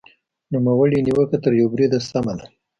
نوموړې نیوکه تر یوه بریده سمه ده.